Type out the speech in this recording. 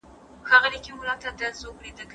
موږ باید زاړه نلونه بدل کړو.